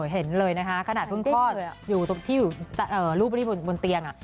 เห็นเลยนะคะขนาดคุณพ่ออยู่ที่รูปที่บนเตียง